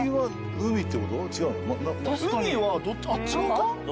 海はあっち側か？